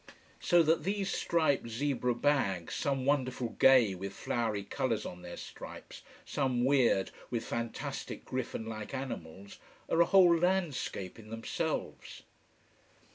So that these striped zebra bags, some wonderful gay with flowery colours on their stripes, some weird with fantastic, griffin like animals, are a whole landscape in themselves.